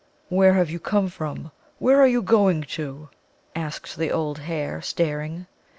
"Where have you come from? Where are you going to?" asked the old hare, staring.